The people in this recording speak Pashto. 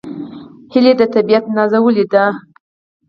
هیلۍ د طبیعت نازولې ده